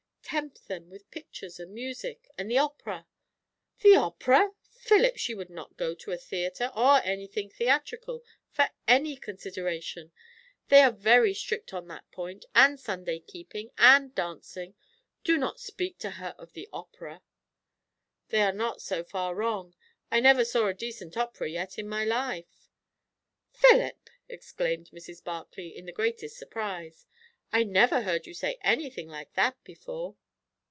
"Tempt them with pictures and music, and the opera." "The opera! Philip, she would not go to a theatre, or anything theatrical, for any consideration. They are very strict on that point, and Sunday keeping, and dancing. Do not speak to her of the opera." "They are not so far wrong. I never saw a decent opera yet in my life." "Philip!" exclaimed Mrs. Barclay in the greatest surprise. "I never heard you say anything like that before."